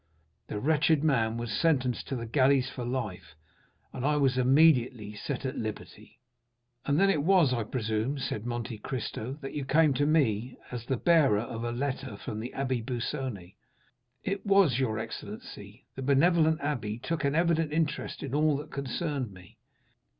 The wretched man was sentenced to the galleys for life, and I was immediately set at liberty." "And then it was, I presume," said Monte Cristo "that you came to me as the bearer of a letter from the Abbé Busoni?" "It was, your excellency; the benevolent abbé took an evident interest in all that concerned me.